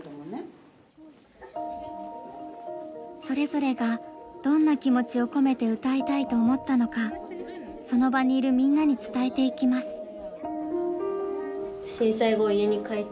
それぞれがどんな気持ちを込めて歌いたいと思ったのかその場にいるみんなに伝えていきます。